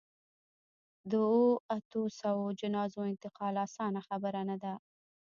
د اوو، اتو سووو جنازو انتقال اسانه خبره نه ده.